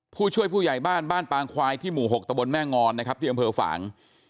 ผู้ช่วยผู้ใหญ่บ้านบ้านปางควายที่หมู่๖ตะบนแม่งอนนะครับที่อำเภอฝาง